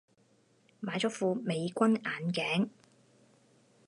買咗副美軍眼鏡